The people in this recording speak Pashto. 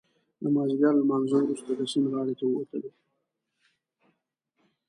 د مازدیګر له لمانځه څخه وروسته د سیند غاړې ته ووتلو.